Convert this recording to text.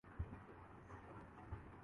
وہ ہو کے رہتی ہے۔